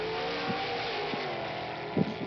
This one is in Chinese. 氧化可能经由铁细菌的酶促反应发生。